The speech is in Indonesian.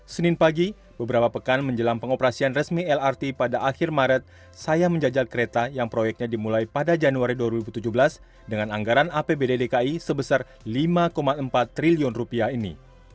senin pagi beberapa pekan menjelang pengoperasian resmi lrt pada akhir maret saya menjajal kereta yang proyeknya dimulai pada januari dua ribu tujuh belas dengan anggaran apbd dki sebesar lima empat triliun rupiah ini